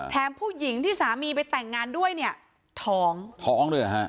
แถมผู้หญิงที่สามีไปแต่งงานด้วยเนี่ยท้อง